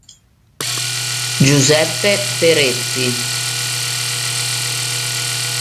Giuseppe Peretti